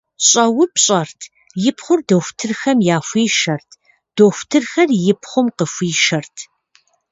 Щӏэупщӏэрт, и пхъур дохутырхэм яхуишэрт, дохутырхэр и пхъум къыхуишэрт.